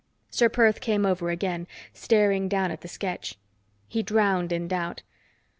Ser Perth came over again, staring down at the sketch. He drowned in doubt.